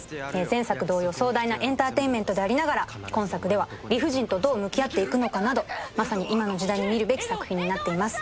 前作同様壮大なエンターテインメントでありながら今作では理不尽とどう向き合っていくのかなどまさに今の時代に見るべき作品になっています。